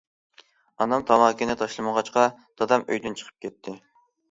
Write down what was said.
ئانام تاماكىنى تاشلىمىغاچقا، دادام ئۆيدىن چىقىپ كەتتى.